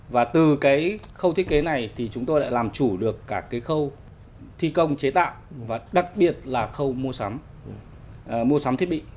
và từ cái khâu thiết kế này thì chúng tôi đã làm chủ được cả cái khâu thi công chế tạo và đặc biệt là khâu mua sắm mua sắm thiết bị